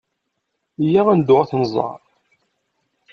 Iyya ad neddu ad ten-nẓer.